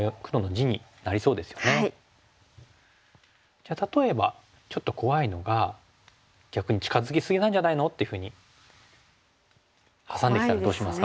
じゃあ例えばちょっと怖いのが逆に「近づき過ぎなんじゃないの？」っていうふうにハサんできたらどうしますか？